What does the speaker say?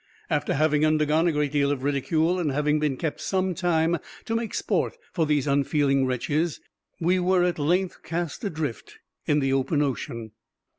After having undergone a great deal of ridicule, and having been kept some time to make sport for these unfeeling wretches, we were at length cast adrift in the open ocean.